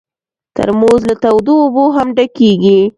ترموز له تودو اوبو هم ډکېږي.